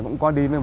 cũng có đi với mình